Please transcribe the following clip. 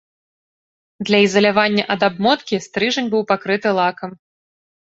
Для ізалявання ад абмоткі, стрыжань быў пакрыты лакам.